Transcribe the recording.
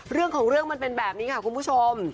เรื่องของเรื่องมันเป็นแบบนี้ค่ะคุณผู้ชม